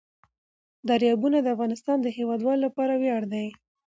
دریابونه د افغانستان د هیوادوالو لپاره ویاړ دی.